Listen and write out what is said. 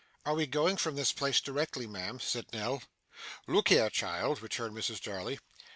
'Are we going from this place directly, ma'am?' said Nell. 'Look here, child,' returned Mrs Jarley.